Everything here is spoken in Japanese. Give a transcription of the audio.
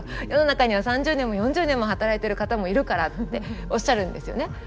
世の中には３０年も４０年も働いてる方もいるからっておっしゃるんですよね。